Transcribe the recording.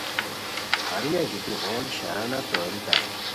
ہرونیہ گیتی غول شرانہ توریتائے